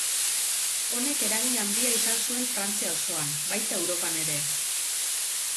Honek eragin handia izan zuen Frantzia osoan, baita Europan ere.